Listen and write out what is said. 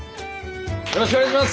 よろしくお願いします。